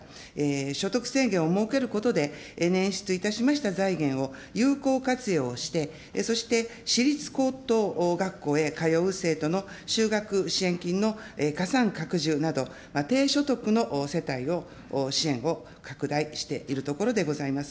所得制限を設けることで、捻出いたしました財源を有効活用して、そして私立高等学校へ通う生徒の就学支援金の加算拡充など、低所得の世帯を支援を拡大しているところでございます。